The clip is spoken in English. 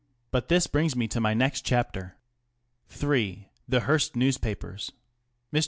But this brings me to my next chapter. III.ŌĆö THE HEARST NEWSPAPERS. Mr.